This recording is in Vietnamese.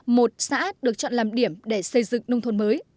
một xã được chọn làm điểm để xây dựng nông thôn mới